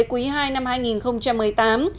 quý ii năm hai nghìn một mươi tám